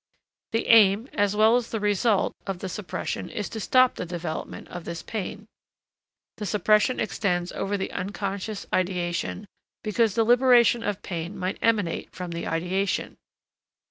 The aim, as well as the result, of the suppression is to stop the development of this pain. The suppression extends over the unconscious ideation, because the liberation of pain might emanate from the ideation.